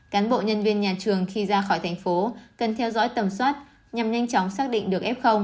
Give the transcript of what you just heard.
cán bộ nhân viên nhà trường khi ra khỏi thành phố cần theo dõi tầm soát nhằm nhanh chóng xác định được f